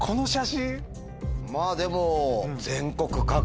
まぁでも。